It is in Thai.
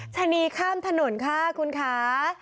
ชะนีข้ามถนนค่ะคุณคะ